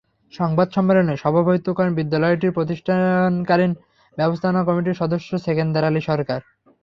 সংবাদ সম্মেলনে সভাপতিত্ব করেন বিদ্যালয়টির প্রতিষ্ঠাকালীন ব্যবস্থাপনা কমিটির সদস্য সেকেন্দার আলী সরকার।